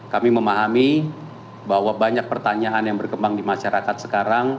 kami memahami bahwa banyak pertanyaan yang berkembang di masyarakat sekarang